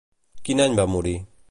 Quin any va morir?